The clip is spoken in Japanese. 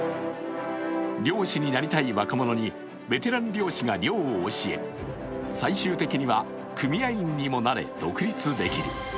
漁師になりたい若者にベテラン漁師が漁を教え最終的には組合員にもなれ独立できる。